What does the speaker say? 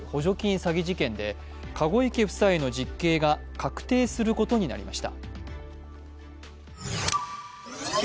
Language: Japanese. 詐欺事件で、籠池夫妻の実刑が確定することになりました。